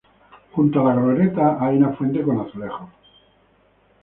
Junto a la glorieta hay una fuente con azulejos.